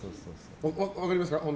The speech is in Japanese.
分かりますか？